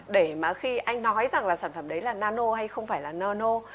để mà khi anh nói rằng là sản phẩm đấy là nano hay không phải là nano